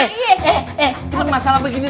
eh eh cuman masalah begini doang